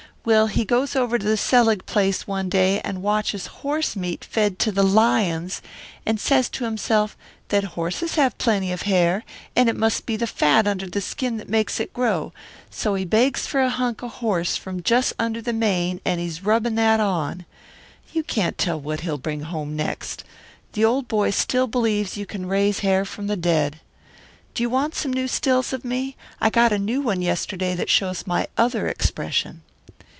Well, he goes over to the Selig place one day and watches horse meat fed to the lions and says to himself that horses have plenty of hair, and it must be the fat under the skin that makes it grow, so he begs for a hunk of horse from just under the mane and he's rubbing that on. You can't tell what he'll bring home next. The old boy still believes you can raise hair from the dead. Do you want some new stills of me? I got a new one yesterday that shows my other expression.